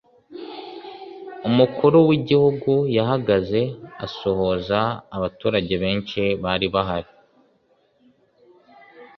Umukuru w’Igihugu yahagaze asuhuza abaturage benshi bari bahari